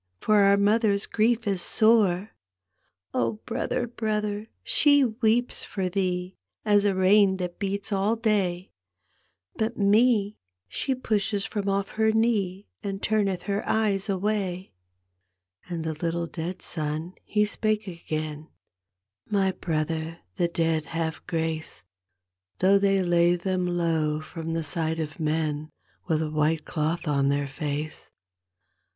For OUT mother's grief is soret D,gt,, erihyGOOglC The Little Dead Child 25 "Oh, brother, brother, she weeps for thee As a rain that beats all day. But me she pushes from off her knee And tumeth her eyes away." And the little dead son he spake again, " My brother, the dead have grace Though they lay them low from the sight of men With a white cloth on their face.